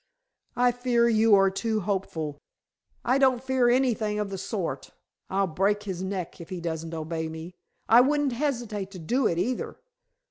"I fear you are too hopeful." "I don't fear anything of the sort. I'll break his neck if he doesn't obey me. I wouldn't hesitate to do it, either."